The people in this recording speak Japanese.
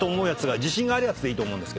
自信があるやつでいいと思う。